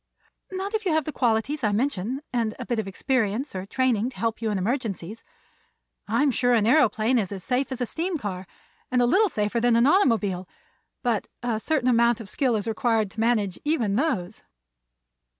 "Not if you have the qualities I mention and a bit of experience or training to help you in emergencies. I'm sure an aëroplane is as safe as a steam car, and a little safer than an automobile; but a certain amount of skill is required to manage even those."